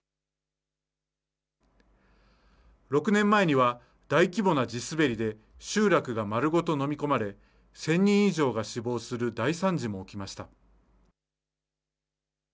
６年前には、大規模な地滑りで集落が丸ごと飲み込まれ、１０００人以上が死亡する大惨事も起きました。